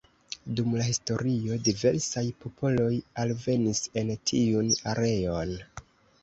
Dum la historio diversaj popoloj alvenis en tiun areon.